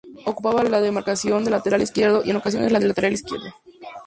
Ocupaba la demarcación de lateral izquierdo, y en ocasiones, la de interior izquierdo.